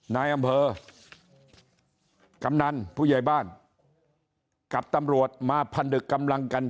นายอำเภอกำนันผู้ใหญ่บ้านกับตำรวจมาพนึกกำลังกัน